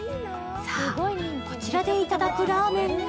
さあ、こちらでいただくラーメンが